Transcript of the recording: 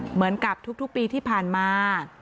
เหมือนกับทุกปีที่ผ่านมา